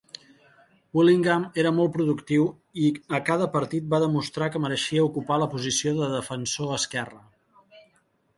Willingham era molt productiu i a cada partit va demostrar que mereixia ocupar la posició de defensor esquerre.